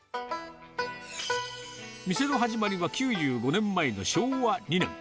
店の始まりは９５年前の昭和２年。